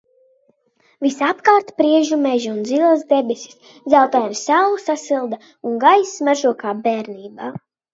Visapkārt priežu meži un zilas debesis, zeltaina saule sasilda un gaiss smaržo kā bērnībā.